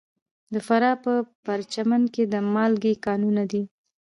د فراه په پرچمن کې د مالګې کانونه دي.